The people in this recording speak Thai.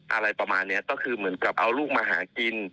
อะไรประมาณนี้ก็คือเหมือนกับเอาลูกมาหากิน